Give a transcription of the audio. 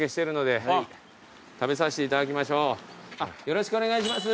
よろしくお願いします